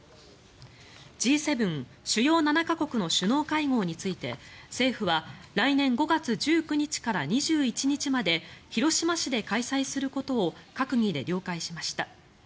Ｇ７・主要７か国の首脳会合について政府は来年５月１９日から２１日まで広島市で開催することを閣議で了解しました。